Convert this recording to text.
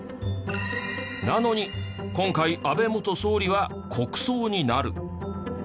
なのに今回安倍元総理は国葬になる。